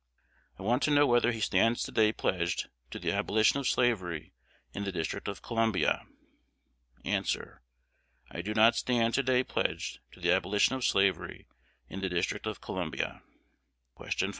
"I want to know whether he stands to day pledged to the abolition of slavery in the District of Columbia." A. I do not stand to day pledged to the abolition of slavery in the District of Columbia. Q. 5.